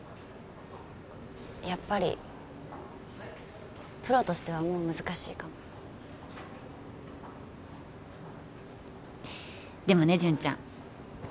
やっぱりプロとしてはもう難しいかもでもねジュンちゃん